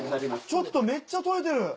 ちょっとめっちゃ採れてる！